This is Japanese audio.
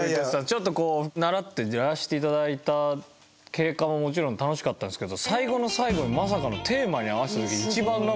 ちょっとこう習ってやらせて頂いた経過ももちろん楽しかったんですけど最後の最後にまさかのすごい！